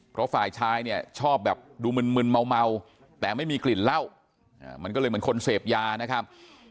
เพราะฝ่ายชายเนี่ยชอบแบบดูมึนเมาแต่ไม่มีกลิ่นเหล้ามันก็เลยเหมือนคนเสพยานะครับ